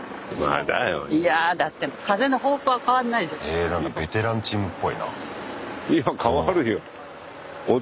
えなんかベテランチームっぽいな。